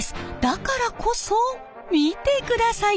だからこそ見てください